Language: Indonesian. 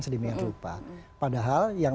sedemikian rupa padahal yang